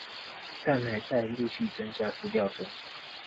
但還在陸續增加資料中